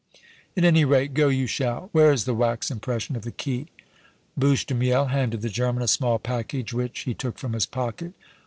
At any rate, go you shall! Where is the wax impression of the key?" Bouche de Miel handed the German a small package which, he took from his pocket.